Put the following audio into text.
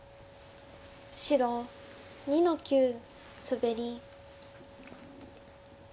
白２の九スベリ。